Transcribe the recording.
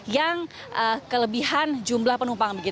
yang kelebihan jumlah penumpang